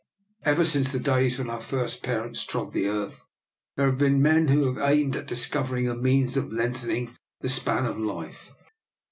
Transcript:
" Ever since the days when our first parents trod the earth there have been men who have aimed at discovering a means of lengthening the span of life.